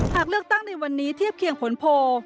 หากเลือกตั้งในวันนี้เทียบเคียงผลโพล